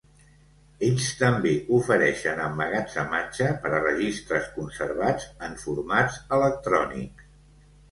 Ells també ofereixen emmagatzematge per a registres conservats en formats electrònics.